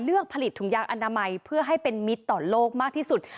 เลือกผลิตถุงยางอนามัยเพื่อให้เป็นมิตรต่อโลกมากที่สุด